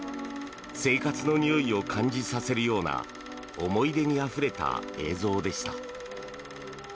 生活のにおいを感じさせるような思い出にあふれた映像でした。